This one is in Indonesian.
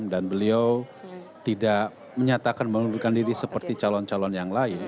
dan beliau tidak menyatakan menurutkan diri seperti calon calon yang lain